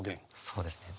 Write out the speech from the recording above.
そうですね